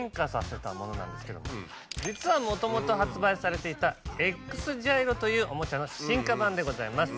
実はもともと発売されていたＸジャイロというおもちゃの進化版でございます。